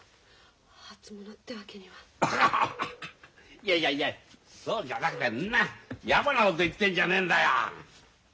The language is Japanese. いやいやいやそうじゃなくてんなやぼなこと言ってんじゃねえんだよ。